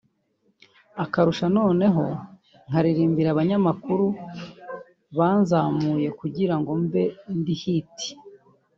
Akarusho noneho nkaririmbira abanyamakuru banzamuye kugira ngo mbe ndi Hit